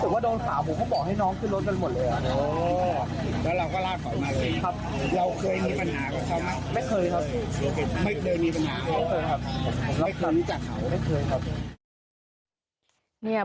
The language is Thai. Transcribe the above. ไม่เคยจากเขาไม่เคยครับ